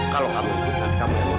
kalau kamu ikut nanti kamu yang mau sing